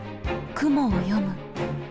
雲を読む。